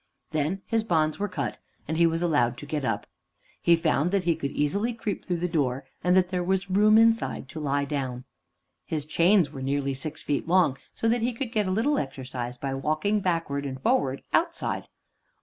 Then his bonds were cut, and he was allowed to get up. He found that he could easily creep through the door, and that there was room inside to lie down. His chains were nearly six feet long, so that he could get a little exercise by walking backwards and forwards outside.